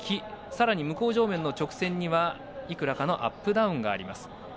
さらに向正面の直線にはいくらかのアップダウンがあります。